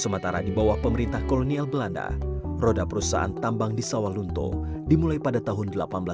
sementara di bawah pemerintah kolonial belanda roda perusahaan tambang di sawalunto dimulai pada tahun seribu delapan ratus enam puluh